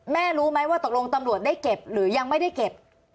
รู้ไหมว่าตกลงตำรวจได้เก็บหรือยังไม่ได้เก็บ